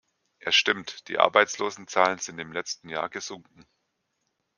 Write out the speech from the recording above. Es stimmt, die Arbeitslosenzahlen sind im letzten Jahr gesunken.